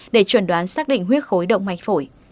để chuẩn đoán xác định huyết khối động mạch phổi